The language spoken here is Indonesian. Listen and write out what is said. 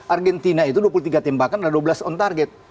argentina itu dua puluh tiga tembakan ada dua belas on target